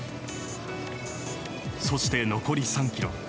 そして、残り３ｋｍ。